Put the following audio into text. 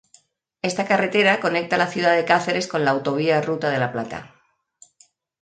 Esta carretera conecta la ciudad de Cáceres con la Autovía Ruta de la Plata.